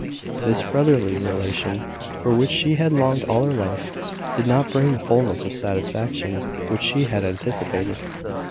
This brotherly relation, for which she had longed all her life, did not bring the fulness of satisfaction which she had anticipated.